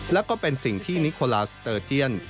และก็เป็นสิ่งที่นิโคลาสเตอร์เจียน